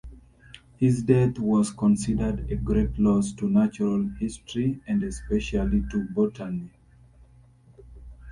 His death was considered a great loss to natural history, and especially to botany.